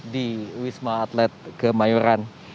di wisma atlet kemayoran